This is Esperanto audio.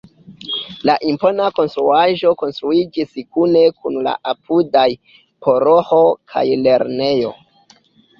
La impona konstruaĵo konstruiĝis kune kun la apudaj paroĥo kaj lernejo.